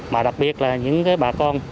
mà đặc biệt là những bà con